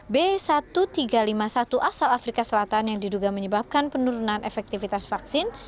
b satu tiga lima satu asal afrika selatan yang diduga menyebabkan penurunan efektivitas vaksin